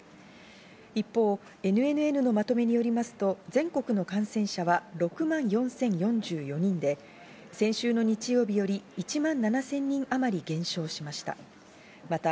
一方、ＮＮＮのまとめによりますと、全国の感染者が６万４０４４人で先週の日曜日より、１万７０００人あまり減少しました。